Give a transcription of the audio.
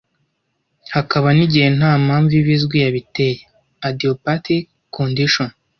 Hakaba n’igihe nta mpamvu iba izwi yabiteye ( idiopathic condition)